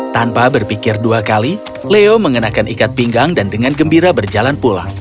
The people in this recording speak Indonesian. tanpa berpikir dua kali leo mengenakan ikat pinggang dan dengan gembira berjalan pulang